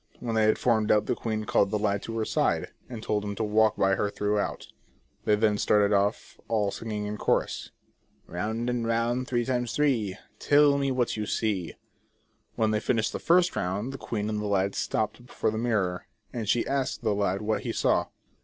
When they had formed up the queen called the lad to her side, and told him to walk by her throughout. They then started off, all singing in chorus :" Round and round three times three, Tell me what you see" When they finished the first round, the queen and lad stopped before the mirror, and she asked the lad what he saw